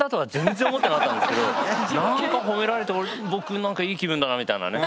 まさかそれはなんか褒められて僕なんかいい気分だなみたいなね。